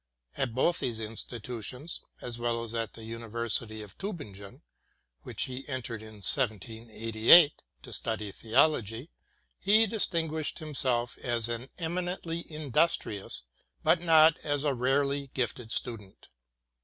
At both these institutions, as well as at the University of Tiibingen which he entered in 1788 to study theology, he distinguished himself as an eminently indus trious, but not as a rarely gifted student.